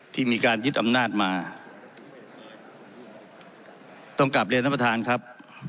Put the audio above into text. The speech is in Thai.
ที่มีการยึดอำนาจมาต้องกลับเรียนท่านประธานครับ